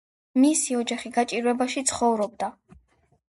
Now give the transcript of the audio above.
მისი ოჯახი გაჭირვებაში ცხოვრობდა.